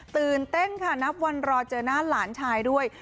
ตื่นเต้นค่ะนับวันรอเจอหน้าหลานชายด้วย